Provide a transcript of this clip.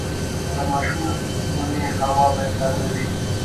د ماشوم خونې هوا باید تازه وي۔